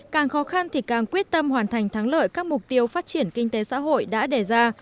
càng khó khăn thì càng quyết tâm hoàn thành thắng lợi các mục tiêu phát triển kinh tế xã hội đã đề ra